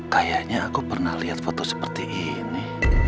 kayaknya aku pernah lihat foto seperti ini